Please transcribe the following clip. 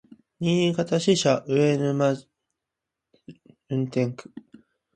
新潟支社上沼垂運転区